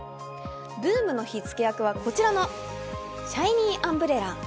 ブームの火付け役はこちらのシャイニーアンブレラ。